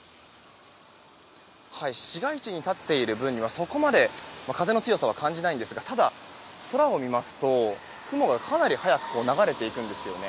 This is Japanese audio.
市街地に立っている分にはそこまで風の強さは感じないんですがただ、空を見ますと雲がかなり早く流れていくんですよね。